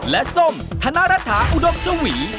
และส้มธนรัฐาอุดมชวี